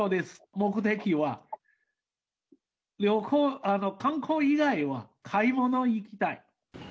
目的は観光以外は、買い物行きたい。